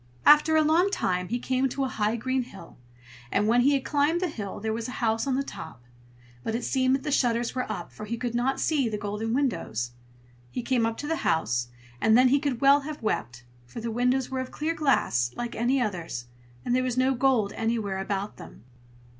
After a long time he came to a high green hill; and when he had climbed the hill, there was the house on the top; but it seemed that the shutters were up, for he could not see the golden windows. He came up to the house, and then he could well have wept, for the windows were of clear glass, like any others, and there was no gold anywhere about them.